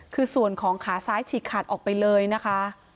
คือส่วนของขาซ้ายฉีกขาดออกไปเลยนะคะ